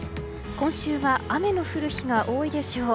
今週は雨の降る日が多いでしょう。